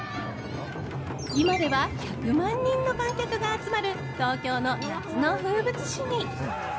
今では１００万人の観客が集まる東京の夏の風物詩に。